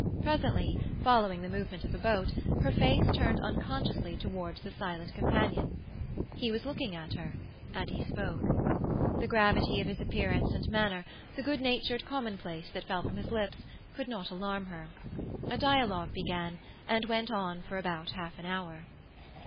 Presently, following the movement of a boat, her face turned unconsciously towards the silent companion; again he was looking at her, and he spoke. The gravity of his appearance and manner, the good natured commonplace that fell from his lips, could not alarm her; a dialogue began, and went on for about half an hour.